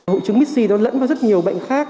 hội chứng mis c lẫn vào rất nhiều bệnh khác